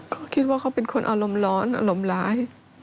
เขาคิดว่าเขาเป็นคนอารมณ์ร้อนอารมณ์ร้าย